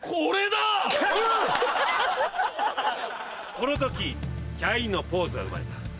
この時キャインのポーズは生まれた。